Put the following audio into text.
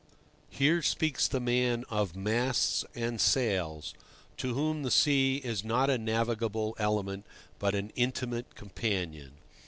Here speaks the man of masts and sails, to whom the sea is not a navigable element, but an intimate companion.